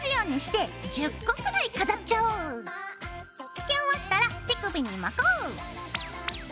付け終わったら手首に巻こう！